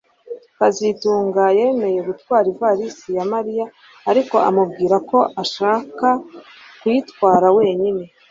kazitunga yemeye gutwara ivarisi ya Mariya ariko amubwira ko ashaka kuyitwara wenyine